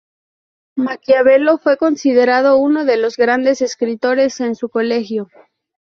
Maquiavelo fue considerado uno de los grandes escritores en su colegio.